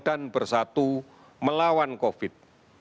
dan bersatu melawan covid sembilan belas